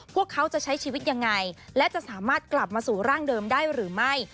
พวกเขาจะใช้ชีวิตยังไงและจะสามารถกลับมาสู่ร่างเดิมได้หรือไม่